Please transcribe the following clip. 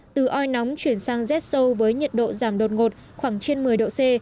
từ oi nóng chuyển sang rét sâu với nhiệt độ giảm đột ngột khoảng trên một mươi độ c